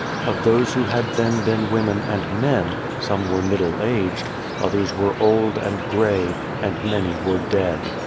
Of those who had then been women and men, some were middle aged, others were old and grey, and many were dead.